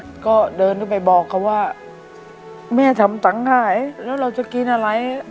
ก็เดินไปบอกเขาว่าแม่ทำตังหายแล้วเราจะกินอะไร